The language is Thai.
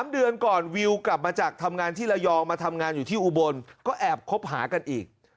๓เดือนก่อนวิวกลับมาจากทำงานที่ระยองมาทำงานอยู่ที่อุบลก็แอบคบหากันอีก